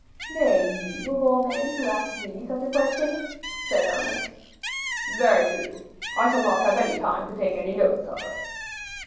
"Nay, you, of all men, to ask me such a question!" said Aramis. "Very true. I shall not have any time to take any notice of her."